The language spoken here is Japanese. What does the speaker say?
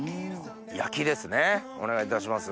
焼きですねお願いいたします